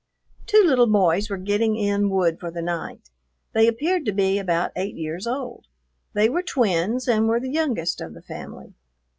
Two little boys were getting in wood for the night. They appeared to be about eight years old; they were twins and were the youngest of the family.